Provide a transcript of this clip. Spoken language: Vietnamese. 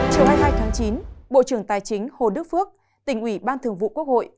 chiều hai mươi hai tháng chín bộ trưởng tài chính hồ đức phước tỉnh ủy ban thường vụ quốc hội